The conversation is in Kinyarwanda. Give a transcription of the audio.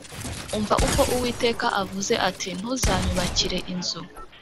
Umva uko Uwiteka avuze ati Ntuzanyubakire inzu